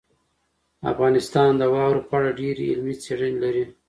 افغانستان د واورو په اړه ډېرې علمي څېړنې لري.